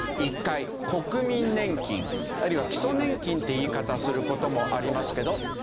１階国民年金あるいは基礎年金っていう言い方する事もありますけど。